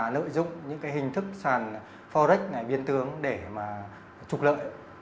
lợi dụng những hình thức sàn forex biên tướng để trục lợi